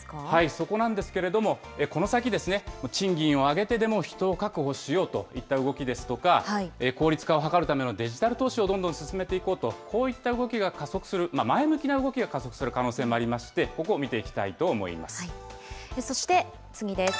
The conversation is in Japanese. そこなんですけれども、この先、賃金を上げてでも人を確保しようといった動きですとか、効率化を図るためのデジタル投資をどんどん進めていこうと、こういった動きが加速する、前向きな動きが加速する可能性もありまして、そして次です。